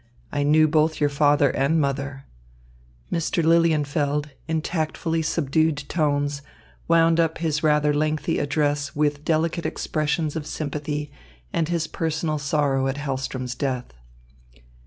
I knew both your father and mother." Mr. Lilienfeld, in tactfully subdued tones, wound up his rather lengthy address with delicate expressions of sympathy and his personal sorrow at Hahlström's death.